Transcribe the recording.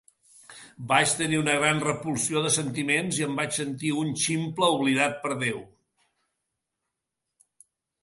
Vaig tenir una gran repulsió de sentiments, i em vaig sentir un ximple oblidat per Déu.